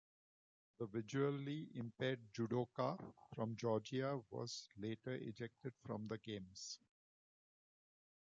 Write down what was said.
The visually impaired judoka from Georgia was later ejected from the games.